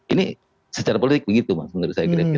ini secara politik begitu menurut saya